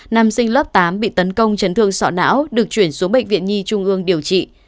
nam sinh lớp tám bị tấn công chấn thương sọ não được chuyển xuống bệnh viện nhi trung ương điều trị